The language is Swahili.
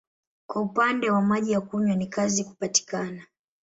Kwa upande wa maji ya kunywa ni kazi kupatikana.